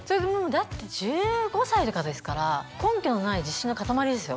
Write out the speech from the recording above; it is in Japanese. だって１５歳とかですから根拠のない自信の塊ですよ